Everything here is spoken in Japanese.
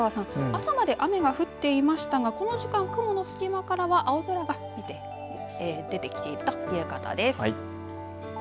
朝まで雨が降っていましたがこの時間、雲の隙間からは青空が出てきているということです。